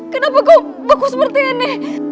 kenapa beku seperti ini